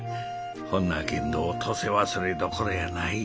ほんなけんどお登勢はそれどころやない。